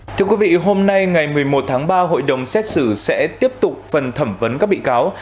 thưa quý vị hôm nay ngày một mươi một tháng ba hội đồng xét xử sẽ tiếp tục phần thẩm vấn các bị cáo